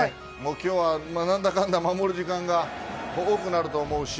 今日は何だかんだ守る時間が多くなると思うし。